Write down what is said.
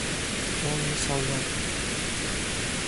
Он не солдат.